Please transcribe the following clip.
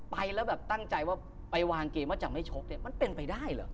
ไปแล้วตั้งใจว่าไปวางเกมว่าจะไม่ชกมันเป็นไปได้หรือ